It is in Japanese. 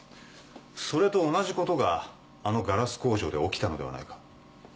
それと同じことがあのガラス工場で起きたのではないか。